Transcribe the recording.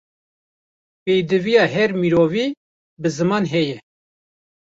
Pêdiviya her mirovî, bi ziman heye